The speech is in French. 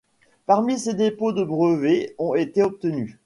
Parmi ces dépôts de brevets, ont été obtenus.